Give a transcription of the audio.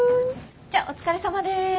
じゃあお疲れさまです。